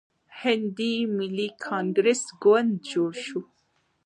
هندي ملي کانګریس ګوند جوړ شو.